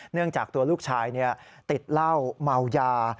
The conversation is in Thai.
จากตัวลูกชายติดเหล้าเมายา